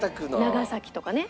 長崎とかね。